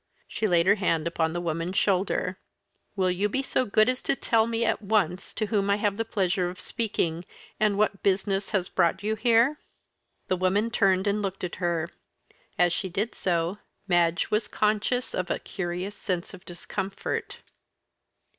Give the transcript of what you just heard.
She laid her hand upon the woman's shoulder. "Will you be so good as to tell me, at once, to whom I have the pleasure of speaking, and what business has brought you here?" The woman turned and looked at her; as she did so, Madge was conscious of a curious sense of discomfort.